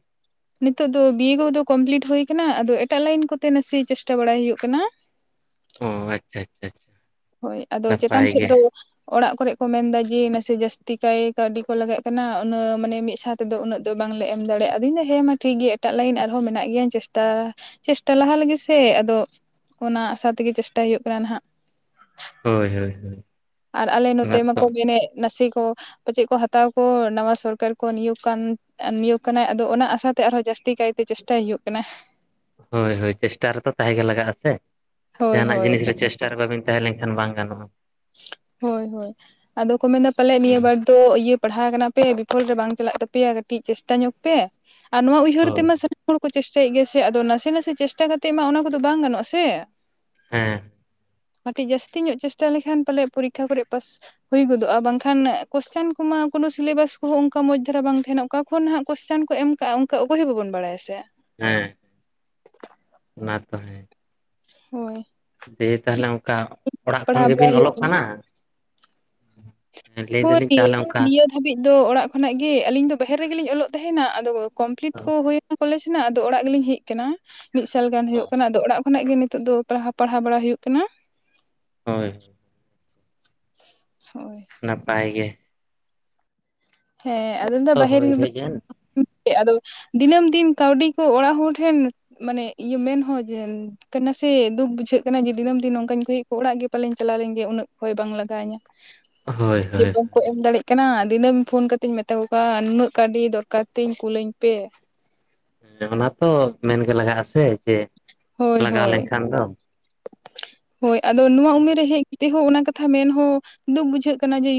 Speaker 2: ᱱᱤᱛᱚᱜ ᱫᱚ ᱵᱤᱭᱮ ᱠᱚᱫᱚ ᱠᱚᱢᱯᱞᱤᱴ ᱦᱳᱭ ᱟᱠᱟᱱᱟ ᱟᱫᱚ ᱮᱴᱟᱜ ᱞᱟᱭᱤᱱ ᱠᱚᱛᱮ ᱱᱟᱥᱮ ᱪᱮᱥᱴᱟ ᱵᱟᱲᱟᱭ ᱦᱩᱭᱩᱜ ᱠᱟᱱᱟ᱾
Speaker 1: ᱚ ᱟᱪᱪᱷᱟ ᱟᱪᱪᱷᱟ,
Speaker 2: ᱦᱳᱭ ᱟᱫᱚ ᱪᱮᱛᱟᱱ
Speaker 1: ᱱᱟᱯᱟᱭ
Speaker 2: ᱥᱮᱫ
Speaker 1: ᱜᱮ
Speaker 2: ᱫᱚ, ᱚᱲᱟᱜ ᱠᱚᱨᱮ ᱠᱚ ᱢᱮᱱᱫᱟ ᱡᱮ ᱱᱟᱥᱮ ᱡᱟᱹᱥᱛᱤ ᱠᱟᱭ ᱠᱟᱹᱣᱰᱤ ᱠᱚ ᱞᱟᱜᱟᱜ ᱠᱟᱱᱟ ᱩᱱᱟᱹ ᱢᱟᱱᱮ ᱢᱤᱫ ᱥᱟᱛ, ᱛᱮᱫᱚ ᱩᱱᱟᱹᱜ ᱫᱚ ᱵᱟᱝᱞᱮ ᱮᱢ ᱫᱟᱲᱮᱭᱟᱜ-ᱟ᱾ ᱟᱫᱚᱧ ᱫᱚ ᱦᱮᱸ ᱢᱟ ᱴᱷᱤᱠ ᱜᱮᱭᱟ ᱮᱴᱟᱜ ᱞᱟᱭᱤᱱ ᱟᱨᱦᱚᱸ ᱢᱮᱱᱟᱜ ᱜᱮᱭᱟ ᱤᱧ ᱪᱮᱥᱴᱟ, ᱪᱮᱥᱴᱟ ᱞᱟᱦᱟ ᱞᱮᱜᱮ ᱥᱮ ᱟᱫᱚ ᱚᱱᱟ ᱟᱥᱟ ᱛᱮᱜᱮ ᱪᱮᱥᱴᱟᱭ ᱦᱩᱭᱩᱜ ᱠᱟᱱᱟ ᱱᱟᱦᱟᱜ,
Speaker 1: ᱦᱳᱭ ᱦᱳᱭ ᱦᱳᱭ,
Speaker 2: ᱟᱨ ᱟᱞᱮ
Speaker 1: ᱚᱱᱟ
Speaker 2: ᱱᱚᱛᱮ
Speaker 1: ᱛᱚ
Speaker 2: ᱢᱟᱠᱚ ᱢᱮᱱᱮᱫ ᱱᱟᱥᱮ ᱠᱚ, ᱯᱟᱪᱮᱫ ᱠᱚ ᱦᱟᱛᱟᱣ ᱠᱚ ᱱᱟᱣᱟ ᱥᱚᱨᱠᱟᱨ ᱠᱚ ᱱᱤᱭᱳᱜ ᱠᱟᱱ ᱱᱤᱭᱳᱜ ᱠᱟᱱᱟᱭ ᱟᱫᱚ ᱚᱱᱟ ᱟᱥᱟᱛᱮ ᱟᱨᱦᱚᱸ ᱡᱟᱹᱥᱛᱤ ᱠᱟᱭᱛᱮ, ᱪᱮᱥᱴᱟ ᱦᱩᱭᱩᱜ ᱠᱟᱱᱟ᱾
Speaker 1: ᱦᱳᱭ ᱦᱳᱭ ᱪᱮᱥᱴᱟ ᱨᱮᱫᱚ ᱛᱟᱦᱮᱸ ᱜᱮ ᱞᱟᱜᱟᱜ-ᱟ ᱥᱮ
Speaker 2: ᱦᱳᱭ
Speaker 1: ᱡᱟᱸᱦᱟᱱᱟᱜ
Speaker 2: ᱦᱳᱭ
Speaker 1: ᱡᱤᱱᱤᱥ ᱨᱮ ᱪᱮᱥ, ᱴᱟ ᱨᱮ ᱵᱟᱵᱤᱱ ᱛᱟᱸᱦᱮ ᱞᱮᱱᱠᱷᱟᱱ ᱵᱟᱝ ᱜᱟᱱᱚᱜ-ᱟ᱾
Speaker 2: ᱦᱳᱭ ᱦᱳᱭ ᱟᱫᱚ ᱠᱚ ᱢᱮᱱᱟ ᱯᱟᱞᱮᱫ ᱱᱤᱭᱟᱹ ᱵᱟᱨ, ᱛᱚ ᱤᱭᱟᱹ ᱯᱟᱲᱦᱟᱣ ᱠᱟᱱᱟ ᱯᱮ ᱵᱤᱯᱷᱚᱞ ᱫᱚ ᱵᱟᱝ ᱪᱟᱞᱟᱜ ᱛᱟᱯᱮᱭᱟ ᱠᱟᱹᱴᱤᱡ ᱪᱮᱥᱴᱟ ᱧᱚᱜ ᱯᱮ᱾ ᱟᱨ ᱱᱚᱣᱟ ᱩᱭᱦᱟᱹᱨ
Speaker 1: ᱦᱳᱭ
Speaker 2: ᱛᱮᱢᱟ ᱥᱟᱨᱤ ᱦᱚᱲ ᱠᱚ ᱪᱮᱥᱴᱟᱭᱮᱫ ᱜᱮᱭᱟ ᱥᱮ ᱟᱫᱚ ᱱᱟᱥᱮ ᱱᱟᱥᱮ ᱪᱮᱥᱴᱟ ᱠᱟᱛᱮᱫ ᱢᱟ ᱚᱱᱟ ᱠᱚᱫᱚ ᱵᱟᱝ ᱜᱟᱱᱚᱜ-ᱟ ᱥᱮ,
Speaker 1: ᱦᱮᱸ
Speaker 2: ᱠᱟᱹᱴᱤᱡ ᱡᱟᱹᱥᱛᱤ ᱧᱚᱜ ᱪᱮᱥᱴᱟ ᱞᱮᱠᱷᱟᱱ ᱯᱟᱞᱮᱜ ᱯᱚᱨᱤᱠᱷᱟ ᱠᱚᱨᱮ ᱯᱟᱥ ᱦᱩᱭ ᱜᱚᱫᱚᱜ-ᱟ ᱾ᱵᱟᱝᱠᱷᱟᱱ ᱠᱚᱥᱪᱮᱱ ᱠᱚᱦᱚ ᱠᱳᱱᱳ ᱥᱤᱞᱮᱵᱟᱥ ᱠᱚᱦᱚᱸ ᱚᱱᱠᱟ ᱢᱚᱡᱽ ᱫᱷᱟᱨᱟ ᱵᱟᱝ ᱛᱟᱸᱦᱮᱱᱟ ᱚᱠᱟ᱾ ᱠᱷᱚᱱ ᱱᱟᱦᱟᱜ ᱠᱚᱥᱪᱟᱱ ᱠᱚ ᱮᱢ ᱠᱟᱜ-ᱟ ᱾ᱚᱱᱠᱟ ᱚᱠᱚᱭ ᱦᱚᱸ ᱵᱟᱵᱚᱱ ᱵᱟᱲᱟᱭᱟ ᱥᱮ,
Speaker 1: ᱦᱮᱸ ᱢᱟ ᱛᱚ
Speaker 2: ᱦᱳᱭ,
Speaker 1: ᱫᱟᱹᱭ ᱛᱟᱸᱦᱞᱮ ᱚᱱᱠᱟ ᱚᱲᱟᱜ ᱠᱷᱚᱱ
Speaker 2: ᱯᱟᱲᱦᱟᱣ ᱵᱟᱲᱟᱭ
Speaker 1: ᱜᱮᱵᱤᱱ
Speaker 2: ᱦᱩᱭᱩᱜ
Speaker 1: ᱚᱞᱚᱜ ᱠᱟᱱᱟ᱾ ᱞᱟᱹᱭ
Speaker 2: ᱦᱳᱭ
Speaker 1: ᱫᱟᱞᱤᱧ ᱛᱟᱦᱚᱞᱮ ᱚᱱᱠᱟ
Speaker 2: ᱱᱤᱭᱟᱹᱫ, ᱱᱤᱛ ᱦᱟᱹᱵᱤᱡ ᱫᱚ ᱚᱲᱟᱜ ᱠᱷᱚᱱᱟᱜ ᱜᱮ ᱟᱹᱞᱤᱧ ᱫᱚ ᱵᱟᱦᱮᱨ ᱨᱮᱜᱮᱞᱤᱧ ᱚᱞᱚᱜ ᱛᱟᱦᱮᱱᱟ ᱟᱫᱚ ᱠᱚᱢᱯᱞᱤᱴ ᱠᱚ ᱦᱩᱭᱮᱱᱟ ᱠᱚᱞᱮᱡᱽ ᱨᱮᱱᱟᱜ ᱟᱫᱚ ᱚᱲᱟᱜ ᱜᱮᱞᱤᱧ ᱦᱮᱡ ᱟᱠᱟᱱᱟ ᱢᱤᱫ ᱥᱟᱞ ᱜᱟᱱ ᱦᱩᱭᱩᱜ ᱠᱟᱱᱟ ᱟᱫᱚ ᱚᱲᱟᱜ ᱠᱷᱚᱱᱟᱜ ᱜᱮ ᱱᱤᱛᱚᱜ ᱫᱚ ᱯᱟᱲᱦᱟᱣ ᱯᱟᱲᱦᱟᱣ ᱵᱟᱲᱟ ᱦᱩᱭᱩᱜ ᱠᱟᱱᱟ᱾
Speaker 1: ᱦᱳᱭ,
Speaker 2: ᱦᱳᱭ᱾
Speaker 1: ᱱᱟᱯᱟᱭ ᱜᱮ᱾
Speaker 2: ᱦᱮᱸ ᱟᱫᱚᱧ ᱞᱟᱹᱭ ᱫᱟ
Speaker 1: ᱛᱚ
Speaker 2: ᱵᱟᱦᱤᱨ
Speaker 1: ᱦᱳᱭ ᱦᱮᱡ ᱮᱱ
Speaker 2: ᱟᱫᱚ ᱫᱤᱱᱟᱹᱢ ᱫᱤᱱ ᱠᱟᱹᱣᱰᱤ ᱠᱚ ᱚᱲᱟᱜ ᱦᱚᱲ ᱴᱷᱮᱱ ᱢᱟᱱᱮ ᱤᱭᱟᱹ ᱢᱮᱱᱦᱚ ᱡᱮ ᱠᱟᱱᱟ ᱥᱮ ᱫᱩᱠ ᱵᱩᱡᱷᱟᱹᱜ ᱡᱮ ᱫᱤᱱᱟᱹᱢ ᱫᱤᱱ ᱱᱚᱝᱠᱟᱧ ᱠᱷᱩᱭᱮᱜ ᱠᱚ, ᱚᱲᱟᱜ ᱜᱮ ᱯᱟᱞᱮᱧ ᱪᱟᱞᱟᱣ ᱞᱮᱱ ᱜᱮ ᱩᱱᱟᱹᱜ ᱠᱷᱚᱭ ᱵᱟᱝ ᱞᱟᱜᱟᱣ ᱤᱧᱟᱹ᱾
Speaker 1: ᱦᱳᱭ
Speaker 2: ᱡᱮ
Speaker 1: ᱦᱳᱭ
Speaker 2: ᱵᱟᱝᱠᱚ ᱮᱢ ᱫᱟᱲᱮᱜ ᱠᱟᱱᱟ ᱫᱤᱱᱟᱹᱢ ᱯᱷᱳᱱ ᱠᱟᱛᱮᱧ ᱢᱮᱛᱟ ᱠᱚ ᱠᱟᱱ ᱱᱩᱱᱟᱹᱜ ᱠᱟᱹᱶᱰᱤ ᱫᱚᱨᱠᱟᱨ ᱛᱤᱧ ᱠᱩᱞᱟᱹᱧ ᱯᱮ᱾
Speaker 1: ᱦᱮᱸ ᱚᱱᱟ ᱛᱚ ᱢᱮᱱᱜᱮ ᱞᱟᱜᱟᱜᱼᱟ ᱥᱮ ᱡᱮ
Speaker 2: ᱦᱳᱭ
Speaker 1: ᱞᱟᱜᱟᱣ
Speaker 2: ᱦᱳᱭ
Speaker 1: ᱞᱮᱱᱠᱷᱟᱱ ᱫᱚ᱾
Speaker 2: ᱦᱳᱭ ᱟᱫᱚ ᱱᱚᱣᱟ ᱩᱢᱮᱨ ᱨᱮ ᱦᱮᱡ ᱠᱟᱛᱮ ᱦᱚᱸ ᱚᱱᱟ ᱠᱟᱛᱷᱟ ᱢᱮᱱᱦᱚ ᱫᱩᱠ ᱵᱩᱡᱷᱟᱹᱜ ᱠᱟᱱᱟ ᱡᱮ